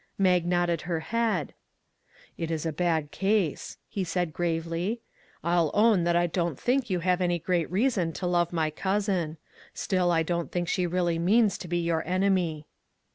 Mag nodded her head. " It is a bad case," he said gravely. " I'll own that I don't think you have any great reason to love my cousin ; still I don't think she really means to be your enemy."